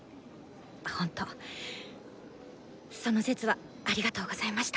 ほんとその節はありがとうございました。